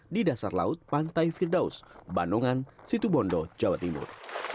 di dasar laut pantai firdaus banongan situbondo jawa timur